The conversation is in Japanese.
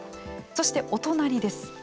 そしてお隣です。